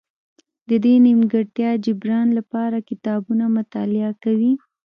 د دې نیمګړتیا جبران لپاره کتابونه مطالعه کوي.